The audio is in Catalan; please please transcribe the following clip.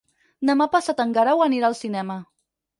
Demà passat en Guerau anirà al cinema.